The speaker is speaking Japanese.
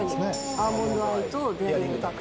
アーモンドアイとデアリングタクト。